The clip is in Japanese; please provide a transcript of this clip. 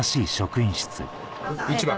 １番。